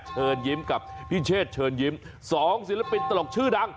เขายกตำเลยแล้ว